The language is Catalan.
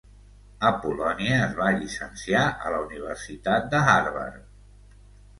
Apollonia es va llicenciar a la Universitat de Harvard.